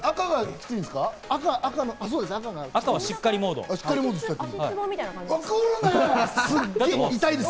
赤は、しっかりモードです。